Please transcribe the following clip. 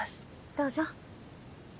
どうぞ。